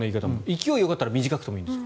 勢いよかったら短くてもいいんですか？